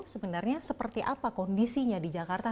sebenarnya seperti apa kondisinya di jakarta